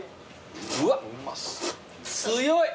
うわ強い。